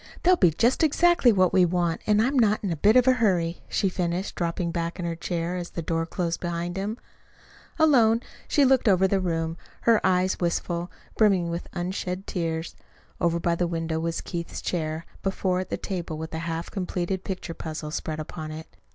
"They'll be just exactly what we want, and I'm not in a bit of a hurry," she finished, dropping back in her chair as the door closed behind him. Alone, she looked about the room, her eyes wistful, brimming with unshed tears. Over by the window was Keith's chair, before it the table, with a half completed picture puzzle spread upon it.